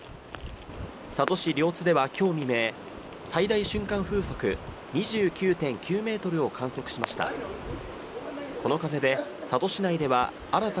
佐渡市両津では今日未明、最大瞬間風速２９．９メートルを観測しました。